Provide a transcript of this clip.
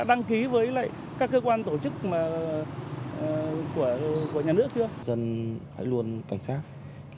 dân hãy luôn cảnh sát